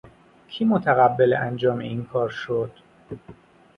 کی متقبل انجام اینکار شد؟